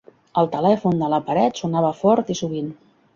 El telèfon de la paret sonava fort i sovint.